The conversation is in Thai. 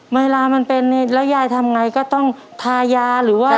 เวลามันเป็นนี่แล้วยายทำไงก็ต้องทายาหรือว่า